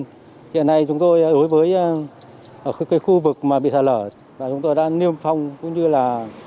hiện nay chúng tôi đối với khu vực bị sạt lở chúng tôi đang niêm phong cũng như là